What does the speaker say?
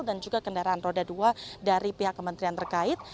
dan juga kendaraan roda dua dari pihak kementerian terkait